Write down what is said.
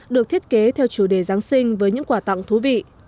được thiết kế theo chủ đề giáng sinh với những quà tặng thú vị